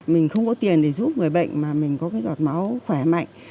mình không có tiền để giúp người bệnh mà mình có cái giọt máu khỏe mạnh